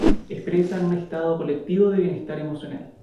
Expresan un estado colectivo de bienestar emocional.